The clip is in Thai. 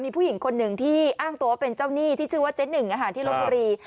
มีผู้หญิงคนหนึ่งที่อ้างตัวว่าเป็นเจ้าหนี้ที่ชื่อว่าเจ๊หนึ่งที่ลบบุรี